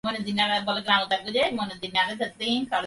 গুরুর সহিত শিষ্যের সম্পর্ক জীবনের শ্রেষ্ঠ সম্পর্ক।